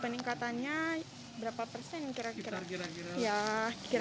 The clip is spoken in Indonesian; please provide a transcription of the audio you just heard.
peningkatannya berapa persen kira kira